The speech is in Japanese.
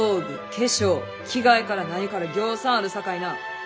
化粧着替えから何からぎょうさんあるさかいな。